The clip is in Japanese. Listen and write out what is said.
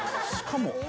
しかも。